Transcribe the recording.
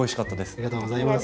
ありがとうございます。